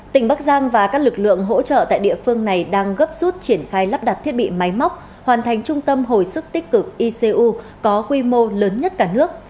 tỉnh bắc giang và các lực lượng hỗ trợ tại địa phương này đang gấp rút triển khai lắp đặt thiết bị máy móc hoàn thành trung tâm hồi sức tích cực icu có quy mô lớn nhất cả nước